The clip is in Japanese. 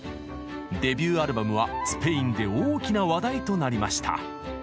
デビューアルバムはスペインで大きな話題となりました。